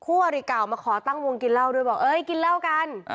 อริเก่ามาขอตั้งวงกินเหล้าด้วยบอกเอ้ยกินเหล้ากัน